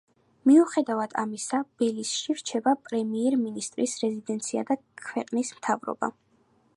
მიუხედავად ამისა, ბელიზში რჩება პრემიერ-მინისტრის რეზიდენცია და ქვეყნის მთავრობა.